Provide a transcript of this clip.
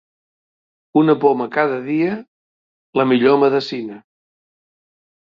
Una poma cada dia, la millor medecina.